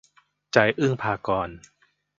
ใจ อึ๊งภากรณ์